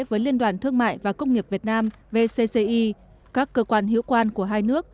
với liên đoàn thương mại và công nghiệp việt nam vcci các cơ quan hiệu quan của hai nước